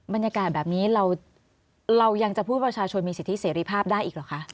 บรรยากาศแบบนี้เรายังจะพูดประชาชนมีสิทธิเสรีภาพได้อีกเหรอคะ